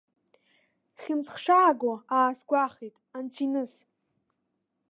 Хьымӡӷ шааго, аасгәахәит, анцәиныс.